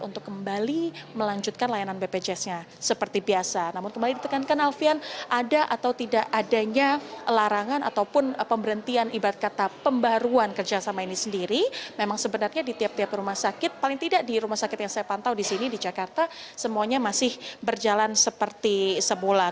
untuk kembali melanjutkan layanan bpjs nya seperti biasa namun kembali ditekankan alfian ada atau tidak adanya larangan ataupun pemberhentian ibarat kata pembaruan kerjasama ini sendiri memang sebenarnya di tiap tiap rumah sakit paling tidak di rumah sakit yang saya pantau disini di jakarta semuanya masih berjalan seperti semula